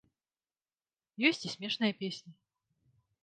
Ёсць і смешныя песні.